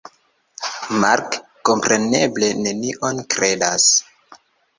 Mark kompreneble nenion kredas.